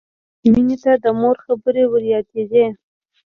مینې ته د مور خبرې وریادېدې